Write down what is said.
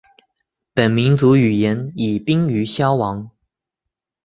本民族语言已濒于消亡。